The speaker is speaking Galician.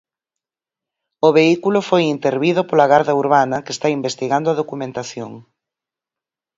O vehículo foi intervido pola garda urbana, que está investigando a documentación.